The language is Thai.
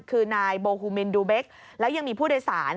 คือนายโบฮูมินดูเบคแล้วยังมีผู้โดยสาร